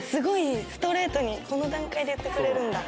すごいストレートにこの段階で言ってくれるんだ。